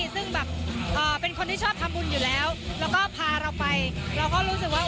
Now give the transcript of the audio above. ซึ่งแบบเป็นคนที่ชอบทำบุญอยู่แล้วแล้วก็พาเราไปเราก็รู้สึกว่า